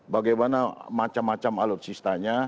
bagaimana macam macam alutsistanya